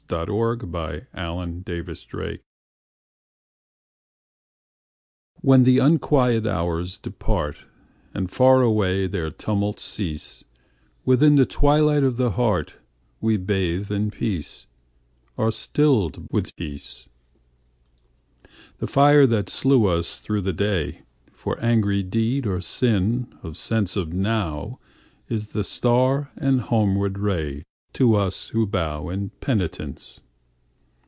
134. The Hour of Twilight WHEN the unquiet hours departAnd far away their tumults cease, Within the twilight of the heartWe bathe in peace, are stilled with peace. The fire that slew us through the dayFor angry deed or sin of senseNow is the star and homeward rayTo us who bow in penitence.